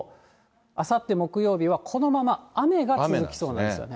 あさって木曜日は、このまま雨が続きそうなんですよね。